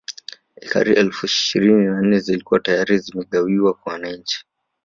Ekari elfu ishirini na nne zilikuwa tayari zimegawiwa kwa wananchi